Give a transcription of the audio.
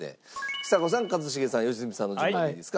ちさ子さん一茂さん良純さんの順番でいいですか？